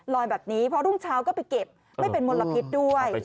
ลอยแบบนี้เพราะทุกท่าวก็ไปเก็บไม่เป็นมลพิตด้วย